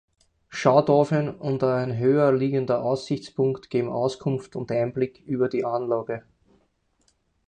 Schautafeln und ein höher liegender Aussichtspunkt geben Auskunft und Einblick über die Anlage.